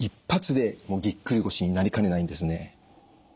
１発でぎっくり腰になりかねないんですね。